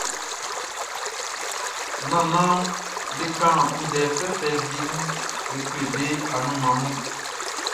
Nannanʼm be kan ndɛ fɛfɛ wie mun be kle be anunman mun.